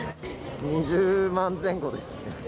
２０万前後ですね。